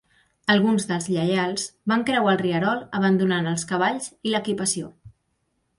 Alguns dels lleials van creuar el rierol, abandonant els cavalls i l'equipació.